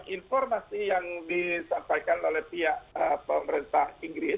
informasi yang disampaikan oleh pihak pemerintah inggris